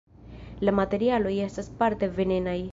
La materialoj estas parte venenaj.